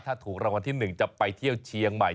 ถ้าถูกรางวัลที่๑จะไปเที่ยวเชียงใหม่